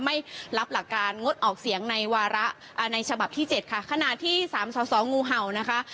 ไม่รับหลักการงดออกเสียงในวาระในฉบับที่๗คะขณะที่๓๔๔งูเห่านะ